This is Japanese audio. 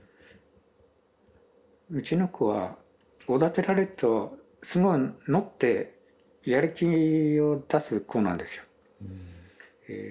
うちの子はおだてられるとすごい乗ってやる気を出す子なんですよ。